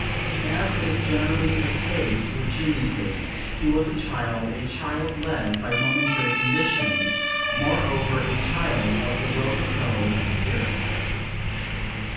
As is generally the case with geniuses, he was a child; a child led by momentary conditions; moreover, a child of the rococo period.